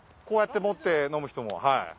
こうやって持って飲む人もはい。